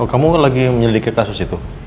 oh kamu lagi menyelidikin kasus itu